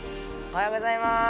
おはようございます！